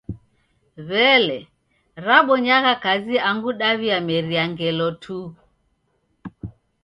W'elee, rabonyagha kazi angu daw'iameria ngelo tu?